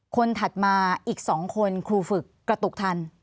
ถัดมาอีก๒คนครูฝึกกระตุกทัน